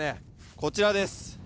こちらです。